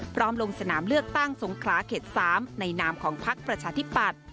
ลงสนามเลือกตั้งสงขลาเขต๓ในนามของพักประชาธิปัตย์